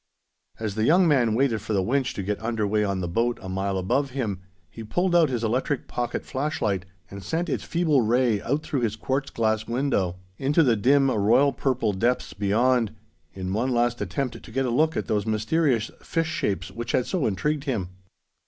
As the young man waited for the winch to get under way on the boat a mile above him, he pulled out his electric pocket flashlight and sent its feeble ray out through his quartz glass window into the dim royal purple depths beyond, in one last attempt to get a look at those mysterious fish shapes which had so intrigued him.